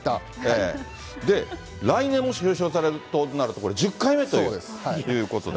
で、来年、もし表彰されるとなると、これ、１０回目ということで。